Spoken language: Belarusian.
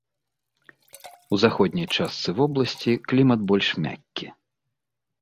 У заходняй частцы вобласці клімат больш мяккі.